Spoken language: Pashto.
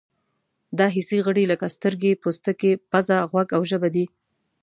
دا حسي غړي لکه سترګې، پوستکی، پزه، غوږ او ژبه دي.